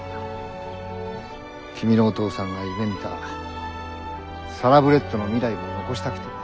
君のお父さんが夢みたサラブレッドの未来も残したくてね。